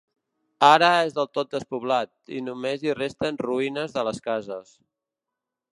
Ara és del tot despoblat, i només hi resten ruïnes de les cases.